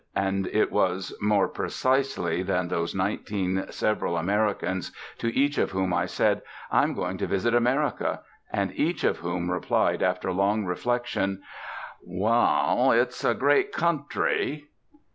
And it was more precise than those nineteen several Americans, to each of whom I said, "I am going to visit America," and each of whom replied, after long reflection, "Wal! it's a great country!"